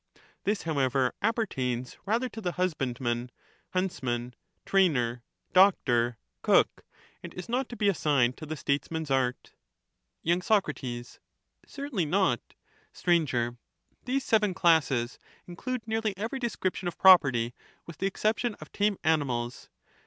This, however, apper tains rather to the husbandman, huntsman, trainer, doctor, cook, and is not to be assigned to the Statesman's art. . y. Soc. Certainly not. Sir, These seven classes include nearly every description of property, with the exception of tame animals.